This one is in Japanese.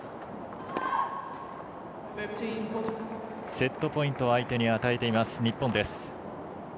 セットポイントを相手に与えています。